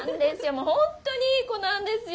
もうホントにいい子なんですよ